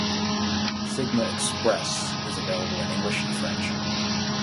Sigma "express" is available in English and French.